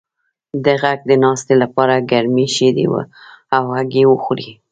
د غږ د ناستې لپاره ګرمې شیدې او هګۍ وخورئ